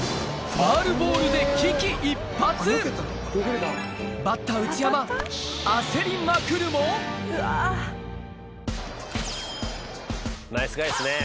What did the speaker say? ファウルボールでバッター・内山焦りまくるもナイスガイですね。